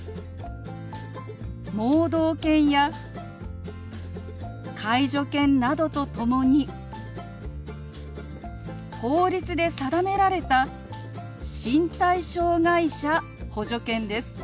盲導犬や介助犬などと共に法律で定められた身体障害者補助犬です。